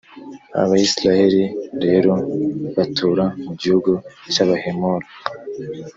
abayisraheli rero batura mu gihugu cy’abahemori.